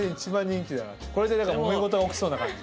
これでもめ事が起きそうな感じ。